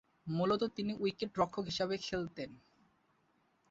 মূলতঃ তিনি উইকেট-রক্ষক হিসেবে খেলতেন।